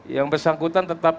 yang bersangkutan tetap